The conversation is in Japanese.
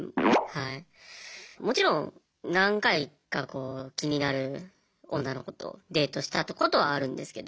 もちろん何回か気になる女の子とデートしたことはあるんですけど